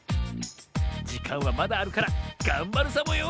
じかんはまだあるからがんばるサボよ